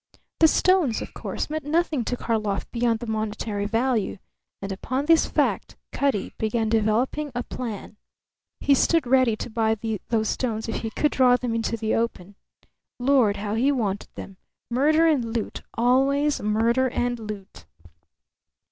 The stones, of course, meant nothing to Karlov beyond the monetary value; and upon this fact Cutty began developing a plan. He stood ready to buy those stones if he could draw them into the open. Lord, how he wanted them! Murder and loot, always murder and loot!